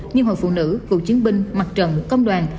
như hội phụ nữ cựu chiến binh mặt trận công đoàn